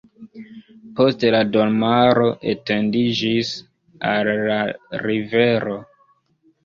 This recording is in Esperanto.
Poste la domaro etendiĝis al la rivero.